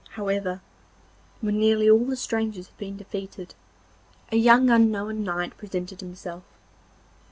However, when nearly all the strangers had been defeated, a young unknown knight presented himself.